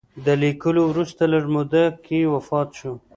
له لیکلو وروسته لږ موده کې وفات شو.